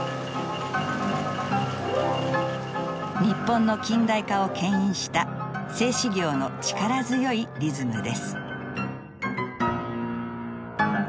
日本の近代化をけん引した製糸業の力強いリズムです。